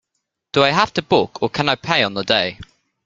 Do I have to book, or can I pay on the day?